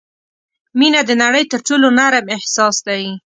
• مینه د نړۍ تر ټولو نرم احساس دی.